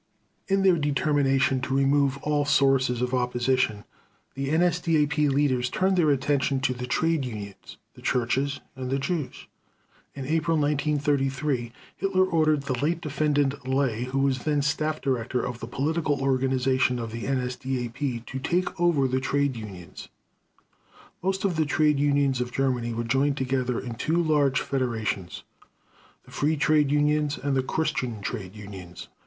In their determination to remove all sources of opposition, the NSDAP leaders turned their attention to the trade unions, the churches, and the Jews. In April 1933 Hitler ordered the late Defendant Ley, who was then staff director of the political organization of the NSDAP, "to take over the trade unions." Most of the trade unions of Germany were joined together in two large federations, the "Free Trade Unions" and the "Christian Trade Unions."